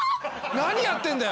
何やってんだよ！